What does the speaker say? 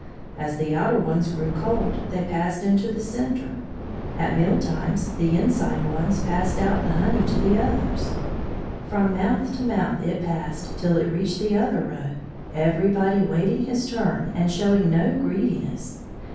As the outer ones grew cold they passed into the centre; at meal times the inside ones passed out the honey to the others. From mouth to mouth it was passed till it reached the other row, everybody waiting his turn and showing no greediness.